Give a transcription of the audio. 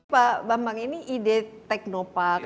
pak bambang ini ide teknopark